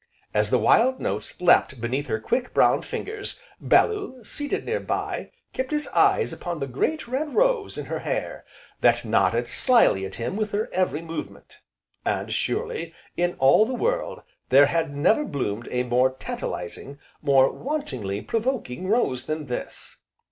As the wild notes leapt beneath her quick, brown fingers, Bellew, seated near by, kept his eyes upon the great, red rose in her hair, that nodded slyly at him with her every movement. And surely, in all the world, there had never bloomed a more tantalizing, more wantonly provoking rose than this!